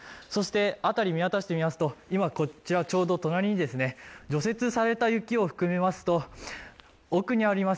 辺り見渡してみますと、こちらの隣に除雪された雪を含めますと、奥にあります